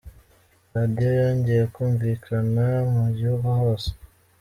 Radiyo yongeye kumvikana mu gihugu hose